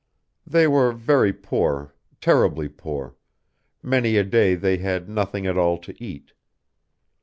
They were very poor, terribly poor many a day they had nothing at all to eat.